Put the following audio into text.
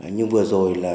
nhưng vừa rồi là